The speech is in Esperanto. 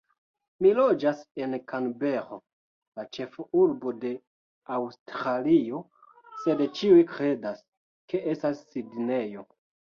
Mi loĝas en Kanbero, la ĉefurbo de Aŭstralio, sed ĉiuj kredas, ke estas Sidnejo!